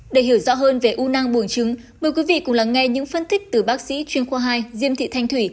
để hiểu rõ hơn về u nang buồn trứng mời quý vị cùng lắng nghe những phân tích từ bác sĩ chuyên khoa hai diêm thị thanh thủy